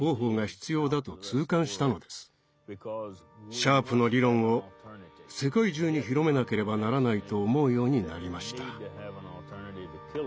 シャープの理論を世界中に広めなければならないと思うようになりました。